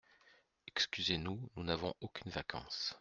Excusez-nous, nous n’avons aucunes vacances.